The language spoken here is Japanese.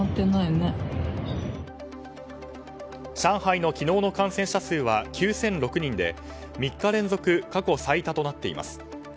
上海の昨日の感染者数は９００６人で３日連続過去最多となっています。